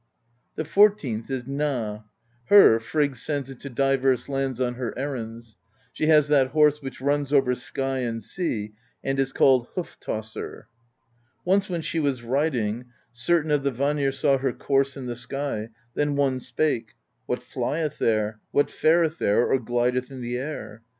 ^ The fourteenth is Gna: her Frigg sends into divers lands on her errands ; she has that horse which runs over sky and sea and is called Hoof Tosser. Once when she was riding, cer tain of the Vanir saw her course in the air; then one spake: What flieth there? What fareth there, Or glideth in the air?